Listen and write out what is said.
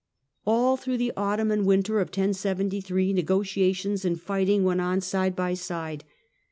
All through the autumn and winter of 1073 negotiations and fighting went on side by side.